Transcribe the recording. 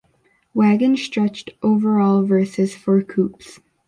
Wagons stretched overall versus for coupes.